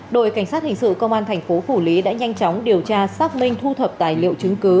đội cảnh sát hình sự công an thành phố phủ lý đã nhanh chóng điều tra xác minh thu thập tài liệu chứng cứ